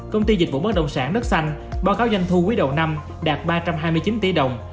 công ty dịch vụ bất động sản đất xanh báo cáo doanh thu quý đầu năm đạt ba trăm hai mươi chín tỷ đồng